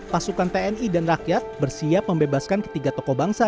pasukan tni dan rakyat bersiap membebaskan ketiga tokoh bangsa